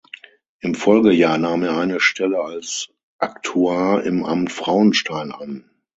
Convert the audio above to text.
Im Folgejahr nahm er eine Stelle als Aktuar im Amt Frauenstein an.